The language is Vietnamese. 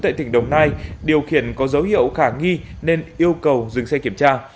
tại tỉnh đồng nai điều khiển có dấu hiệu khả nghi nên yêu cầu dừng xe kiểm tra